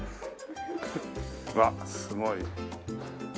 わっすごい。